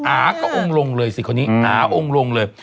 อ่าก็โองลงเลยสิคนนี้อ่าโองลงเลย